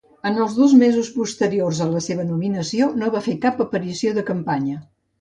En els dos mesos posteriors a la seva nominació, no va fer cap aparició de campanya.